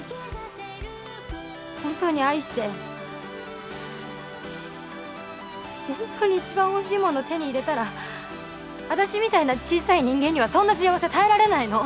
本当に愛して本当にいちばん欲しいもの手に入れたら私みたいな小さい人間にはそんな幸せ耐えられないの。